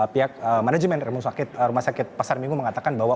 pihak manajemen rumah sakit pasar minggu mengatakan bahwa